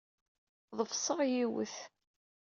Ḍefseɣ yiwet.